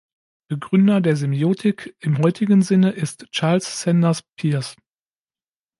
Begründer der Semiotik im heutigen Sinne ist Charles Sanders Peirce.